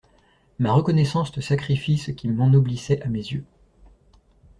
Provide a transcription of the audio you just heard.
Ma reconnaissance te sacrifie ce qui m'ennoblissait à mes yeux!